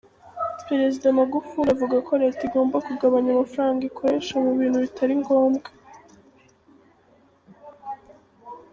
Perezida Magufuli avuga ko leta igomba kugabanya amafaranga ikoresha mu bintu bitari ngombwa.